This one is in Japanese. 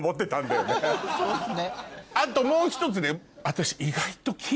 あともう１つね。